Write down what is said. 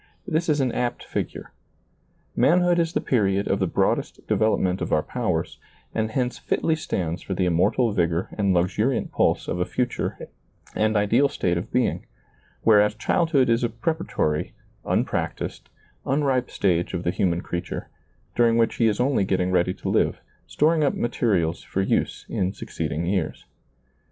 This is an apt figure. Manhood is the period of the broadest development of our powers, and hence fitly stands for the immortal vigor and luxuriant pulse of a future and ideal state of being; whereas childhood is a preparatory, un practised, unripe stage of the human creature, during which he is only getting ready to live, storing up materials for use in succeeding years.